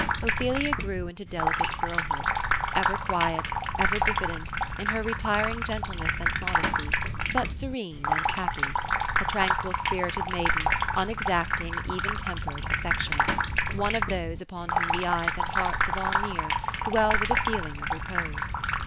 Ophelia grew into delicate girlhood. Ever quiet, — ever diffident, in her retiring gentleness and modesty ; but serene, and happy. A tran quil spirited maiden^ unexacting, even tempered, affectionate; one of those, upon whom the eyes and hearts of all near, dwell with a feeling of repose.